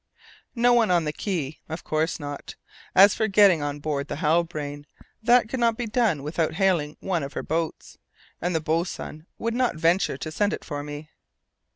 No one on the quay; of course not. As for my getting on board the Halbrane, that could not be done without hailing one of her boats, and the boatswain would not venture to send it for me.